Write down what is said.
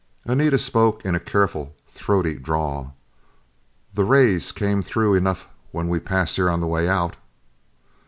Anita spoke in a careful, throaty drawl. "The rays came through enough when we passed here on the way out."